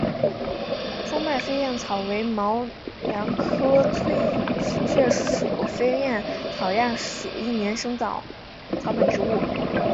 凸脉飞燕草为毛茛科翠雀属飞燕草亚属一年生草本植物。